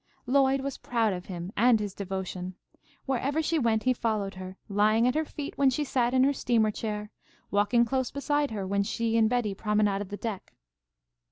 Lloyd was proud of him and his devotion. Wherever she went he followed her, lying at her feet when she sat in her steamer chair, walking close beside her when she and Betty promenaded the deck.